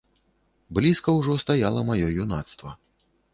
Блізка ўжо стаяла маё юнацтва.